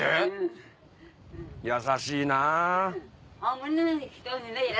⁉優しいな。